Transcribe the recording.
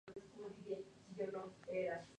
Minería en una cantera de yeso cercana.